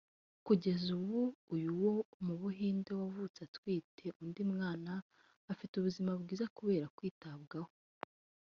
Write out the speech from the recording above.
kugeza ubu uyu wo mu buhinde wavutse atwite undi mwana afite ubuzima bwiza kubera kwitabwaho